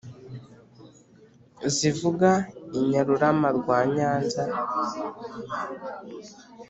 zivuga inyarurama rwa nyanza